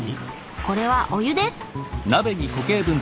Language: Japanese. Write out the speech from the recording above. これはお湯です。